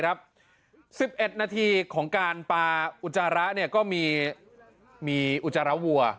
๑๑นาทีของการปลาอุจจาระก็มีอุจจาระวัว